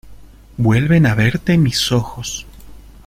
¡ vuelven a verte mis ojos!...